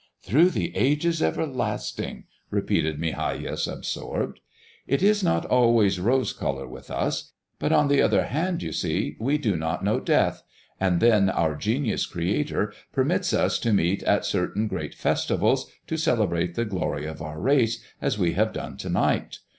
"Through the ages everlasting!" repeated Migajas, absorbed. "It is not always rose color with us; but, on the other hand, you see, we do not know death, and then our Genius Creator permits us to meet at certain great festivals to celebrate the glory of our race, as we have done to night.